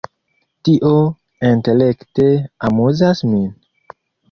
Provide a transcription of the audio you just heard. Tio intelekte amuzas min!